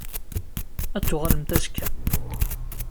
Ad d-tuɣalemt azekka?